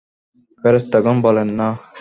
ফেরেশতাগণ বলেন, না।